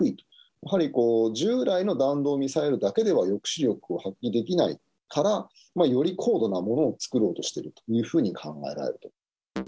やはり従来の弾道ミサイルだけでは抑止力を発揮できないから、より高度なものを作ろうとしてるというふうに考えられると。